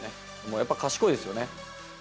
やっぱり賢いですよね。